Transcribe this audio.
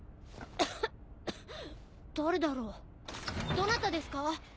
どなたですか？